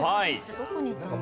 どこにいたんだ？